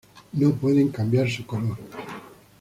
No pueden cambiar su color.